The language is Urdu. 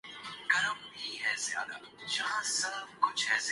متوازن خوراک صفائی کوڑا کرکٹ رات کو پھینکیں اور غریب عوام